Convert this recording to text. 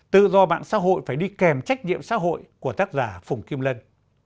tự do mạng xã hội phải đi kèm trách nhiệm xã hội của tác giả phùng kim lân